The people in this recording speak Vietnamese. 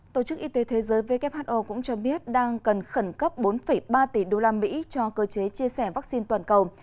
tổ chức y tế thế giới who cũng cho biết đang cần khẩn cấp bốn ba tỷ usd cho cơ chế chia sẻ vaccine toàn cầu